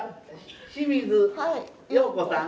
清水葉子さん。